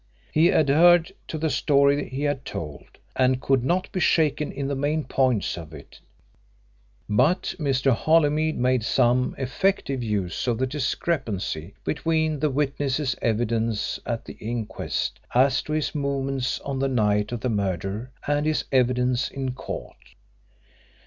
He adhered to the story he had told, and could not be shaken in the main points of it. But Mr. Holymead made some effective use of the discrepancy between the witness's evidence at the inquest as to his movements on the night of the murder and his evidence in court.